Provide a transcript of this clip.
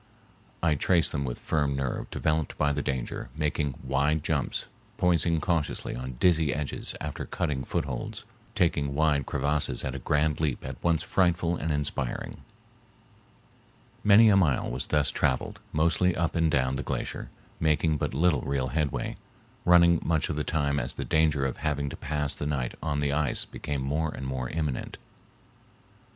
I traced them with firm nerve developed by the danger, making wide jumps, poising cautiously on dizzy edges after cutting footholds, taking wide crevasses at a grand leap at once frightful and inspiring. Many a mile was thus traveled, mostly up and down the glacier, making but little real headway, running much of the time as the danger of having to pass the night on the ice became more and more imminent.